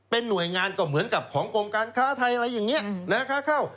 เป็นหน่วยงานก็เหมือนกับของกรมการค้าไทยอะไรอย่างนี้ค้าเข้า